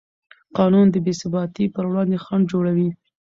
قانون د بېثباتۍ پر وړاندې خنډ جوړوي.